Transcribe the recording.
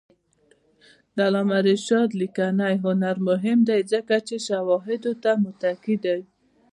د علامه رشاد لیکنی هنر مهم دی ځکه چې شواهدو ته متکي دی.